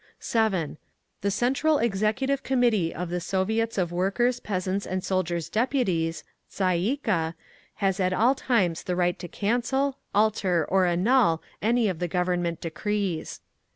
7. The Central Executive Committee of the Soviets of Workers', Peasants', and Soldiers' Deputies (Tsay ee kah) has at all times the right to cancel, alter or annul any of the Government decrees.